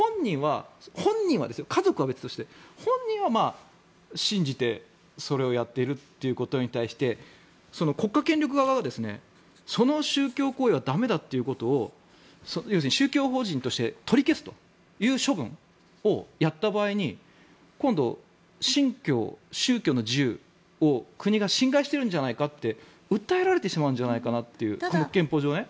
本人はですよ、家族は別として本人は信じてそれをやっているということに対してその国家権力側はその宗教行為は駄目だということを要するに宗教法人として取り消すという処分をやった場合に今度、信教・宗教の自由を国が侵害しているんじゃないかって訴えられてしまうのではという憲法上ね。